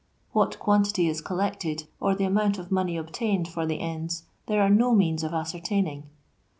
What quantity is collected, or the amount of money obtaineid for the ends, there are no means of ascertaining.